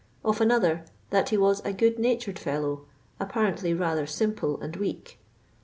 Of another, that he was a " good natured fellow, apparently rather simple and weak."